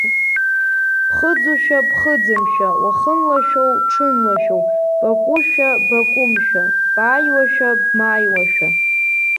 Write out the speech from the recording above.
Ԥхыӡушәа, ԥхыӡымшәа, уахынлоушәа, ҽынлоушәа, бакәушәа, бакәымшәа, бааиуашәа, бмааиуашәа.